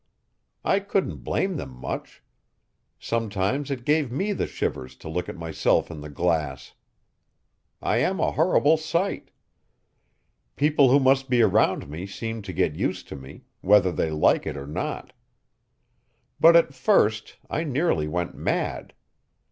I couldn't blame them much. Sometimes it gave me the shivers to look at myself in the glass. I am a horrible sight. People who must be around me seem to get used to me, whether they like it or not. But at first I nearly went mad.